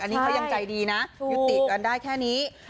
อันนี้เขายังใจดีนะยุติกันได้แค่นี้